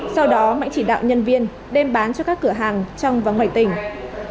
sau đó mạnh chỉ đạo nhân viên đem bán cho các cửa hàng trong và ngoài tỉnh